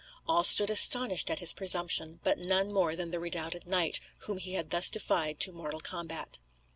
All stood astonished at his presumption, but none more than the redoubted knight whom he had thus defied to mortal combat.